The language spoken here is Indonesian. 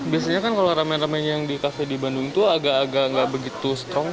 biasanya kan kalau ramen rame yang di cafe di bandung itu agak agak nggak begitu strong